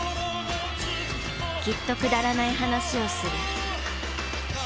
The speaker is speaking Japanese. きっとくだらない話をする。